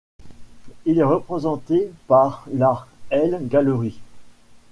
Il est représenté par la L Gallery.